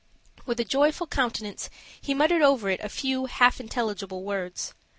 With a joyful countenance, he muttered over it a few half intelligible words.